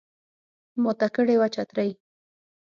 ماته کړي وه چترۍ